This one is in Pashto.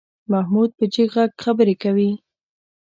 محمود په جګ غږ خبرې کوي.